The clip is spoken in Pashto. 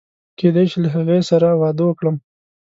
کېدای شي له هغې سره واده وکړم.